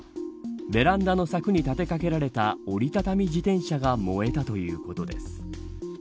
ベランダのさくに立てかけられた折り畳み自転車が燃えたということです。